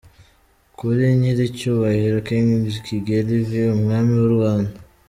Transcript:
“Kuri nyiricyubahiro King Kigeli V, Umwami w’uRwanda.